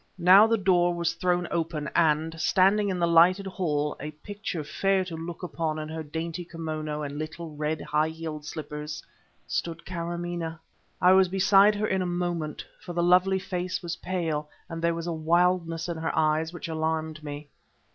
Now the door was thrown open, and, standing in the lighted hall, a picture fair to look upon in her dainty kimono and little red, high heeled slippers, stood Kâramaneh! I was beside her in a moment; for the lovely face was pale and there was a wildness in her eyes which alarmed me.